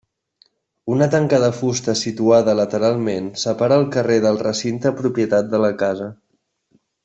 Una tanca de fusta situada lateralment separa el carrer del recinte propietat de la casa.